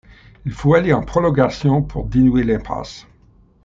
Il faut aller en prolongation pour dénouer l'impasse.